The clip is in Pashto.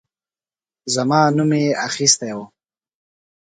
زما نوم اخیستی وو.